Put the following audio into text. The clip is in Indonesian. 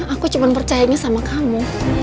aku cuma percayanya sama kamu